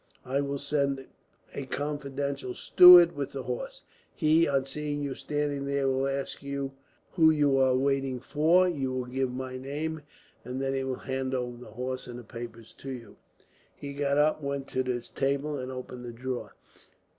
I will send a confidential servant with the horse. He, on seeing you standing there, will ask who you are waiting for. You will give my name, and then he will hand over the horse and papers to you." He got up and went to his table and opened a drawer.